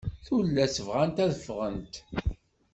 Tullast bɣant ad ffɣent.